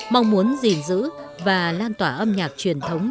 mong muốn gìn giữ và lan tỏa âm nhạc truyền thống